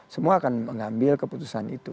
semua akan mengambil keputusan itu